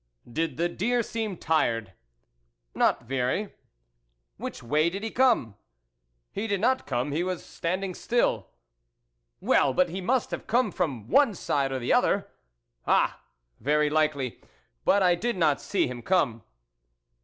" Did the deer seem tired ?"" Not very." " Which way did he come ?"" He did not come, he was standing still." " Well, but he must have come from one side or the other." " Ah 1 very likely, but I did not see him come."